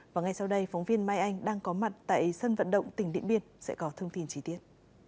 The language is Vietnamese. và ngay sau đây phóng viên mai anh đang có mặt tại sân vận động tỉnh điện biên sẽ có thông tin trí tiết